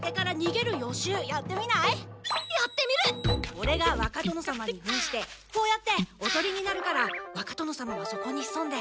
オレが若殿さまにふんしてこうやっておとりになるから若殿さまはそこにひそんで。